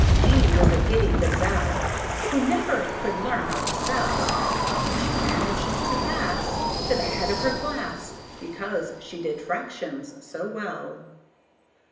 G was a giddy Gazelle, Who never could learn how to spell; But she managed to pass To the head of her class, Because she did fractions so well.